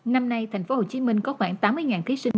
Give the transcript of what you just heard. năm nay tp hcm có khoảng tám mươi thí sinh